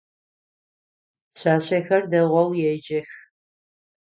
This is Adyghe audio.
Пшъашъэхэр дэгъоу еджэх.